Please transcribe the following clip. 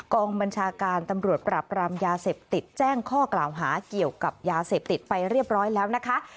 กองบัญชาการตำรวจปราบรามยาเสพติดแจ้งข้อกล่าวหาเกี่ยวกับยาเสพติดไปเรียบร้อยแล้วนะคะ